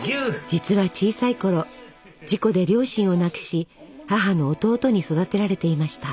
実は小さいころ事故で両親を亡くし母の弟に育てられていました。